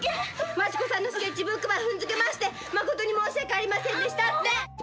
「マチ子さんのスケッチブックば踏んづけましてまことに申し訳ありませんでした」って！